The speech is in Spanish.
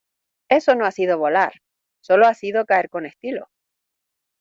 ¡ Eso no ha sido volar! ¡ sólo ha sido caer con estilo !